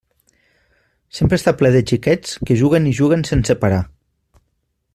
Sempre està ple de xiquets que juguen i juguen sense parar.